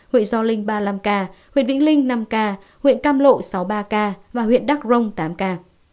huyện gio linh ba mươi năm ca huyện vĩnh linh năm ca huyện cam lộ sáu mươi ba ca và huyện đắk rông tám ca